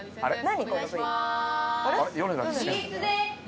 何？